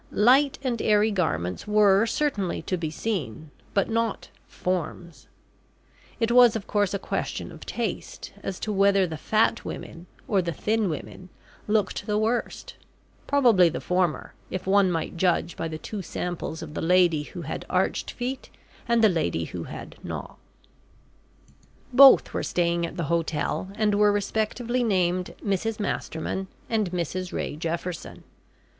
Light and airy garments were, certainly, to be seen, but not forms. It was, of course, a question of taste, as to whether the fat women, or the thin women, looked the worst probably the former, if one might judge by the two samples of the lady who had arched feet, and the lady who had not. Both were staying at the hotel, and were respectively named Mrs Masterman, and Mrs Ray Jefferson.